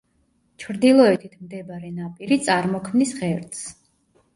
ჩრდილოეთით მდებარე ნაპირი წარმოქმნის ღერძს.